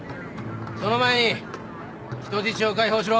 その前に人質を解放しろ。